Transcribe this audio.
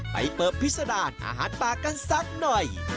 เปิดพิษดารอาหารปลากันสักหน่อย